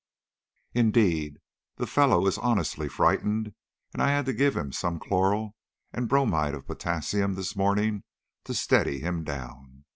Indeed the fellow is honestly frightened, and I had to give him some chloral and bromide of potassium this morning to steady him down.